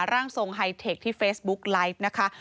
ร่างทรงไฮเทคที่เฟซบุ๊กไลฟ์นะคะ